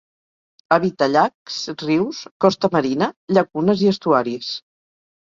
Habita llacs, rius, costa marina, llacunes i estuaris.